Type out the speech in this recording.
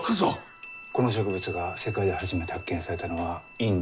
この植物が世界で初めて発見されたのはインド。